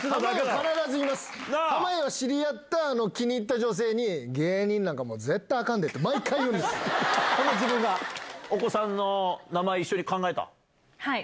必ず言います、濱家は知り合った、気になった女性に、芸人なんか、絶対あかんでって、毎回言うんでお子さんの名前、一緒に考えはい。